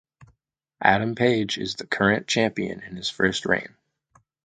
Adam Page is the current champion in his first reign.